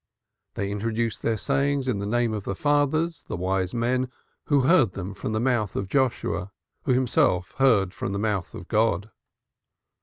They introduce their sayings in the name of the fathers, the wise men, who heard them from the mouth of Joshua, who himself heard them from the mouth of God.